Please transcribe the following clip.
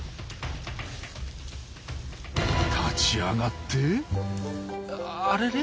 立ち上がってあれれ？